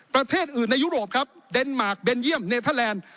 ประเทศอื่นในยุโรปครับเดนมาร์คเบนเยี่ยมเนเทอร์แลนด์